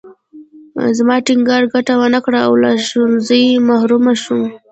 زما ټینګار ګټه ونه کړه او له ښوونځي محرومه شوم